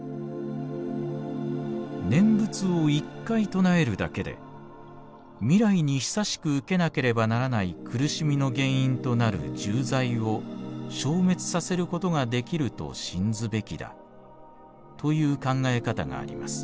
「念仏を一回称えるだけで未来に久しく受けなければならない苦しみの原因となる重罪を消滅させることができると信ずべきだという考え方があります。